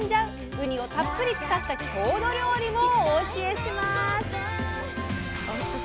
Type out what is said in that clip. ウニをたっぷり使った郷土料理もお教えします！